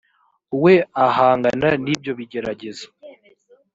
we ahangana n’ibyo bigeragezo